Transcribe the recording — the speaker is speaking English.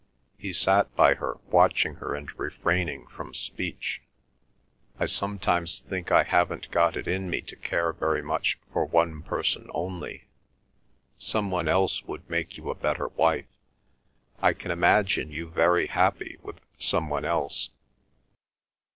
He sat by her, watching her and refraining from speech. "I sometimes think I haven't got it in me to care very much for one person only. Some one else would make you a better wife. I can imagine you very happy with some one else."